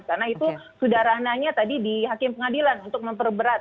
karena itu sudah ranahnya tadi di hakim pengadilan untuk memperberat